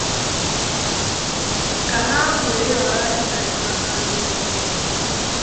ka ha wee ghara ịdanye n'aka ndị ọjọọ ahụ.